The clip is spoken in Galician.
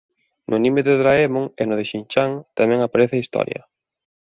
No anime de Doraemon e no de Shin Chan tamén aparece a historia.